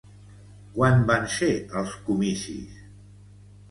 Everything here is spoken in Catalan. Quan van ser els comicis?